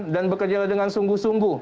dan bekerjalah dengan sungguh sungguh